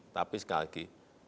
tapi sekali lagi